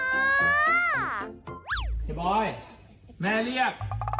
เฮียบอยแม่เรียก